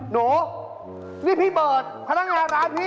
หนูนี่พี่เบิร์ตพนักงานร้านพี่